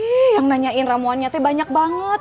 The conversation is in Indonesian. yang nanyain ramuannya tuh banyak banget